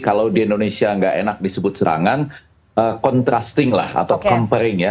kalau di indonesia nggak enak disebut serangan contrasting lah atau comparing ya